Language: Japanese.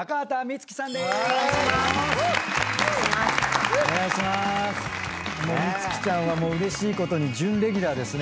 充希ちゃんはうれしいことに準レギュラーですね。